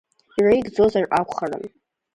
Иреигӡозар акәхарын.